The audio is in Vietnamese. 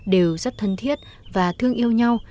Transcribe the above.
đều rất thân thiết và thương yêu nhau